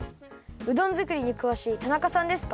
うどん作りにくわしい田中さんですか？